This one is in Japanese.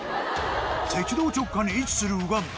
赤道直下に位置するウガンダ。